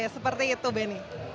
seperti itu beni